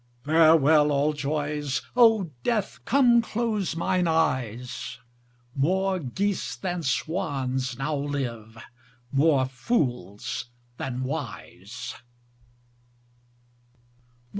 Farewell, all joys; O Death, come close mine eyes; More geese than swans now live, more fools than wise.